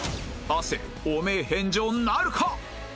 亜生汚名返上なるか！？